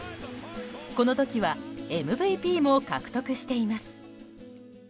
この時はＭＶＰも獲得しています。